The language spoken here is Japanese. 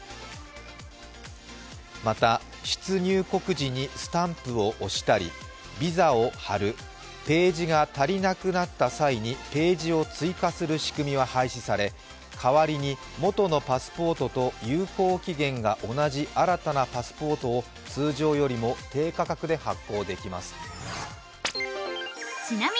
また、出入国時にスタンプを押したり、ビザを貼るページが足りなくなった際にページを追加する仕組みは廃止され代わりに元のパスポートと有効期限が同じ新たなパスポートを通常よりも低価格で発行できます。